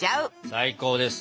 最高です。